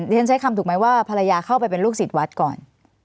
ฉันใช้คำถูกไหมว่าภรรยาเข้าไปเป็นลูกศิษย์วัดก่อน